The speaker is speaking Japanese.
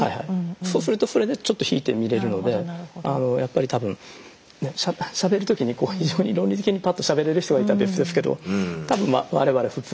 そうするとそれでちょっと引いて見れるのでやっぱりたぶんしゃべる時に非常に論理的にパッとしゃべれる人がいたら別ですけどたぶん我々普通